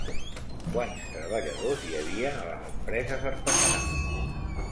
Quants treballadors hi havia a les empreses artesanals?